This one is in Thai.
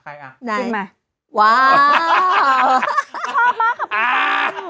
ชอบมากค่ะพี่ตั๋น